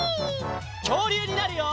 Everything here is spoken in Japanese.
きょうりゅうになるよ！